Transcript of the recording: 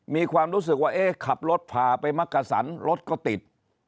มีความรู้สึกว่าเอ๊ะขับรถพาไปมักกะสันรถก็ติด